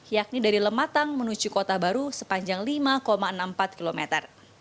yakni dari lematang menuju kota baru sepanjang lima enam puluh empat kilometer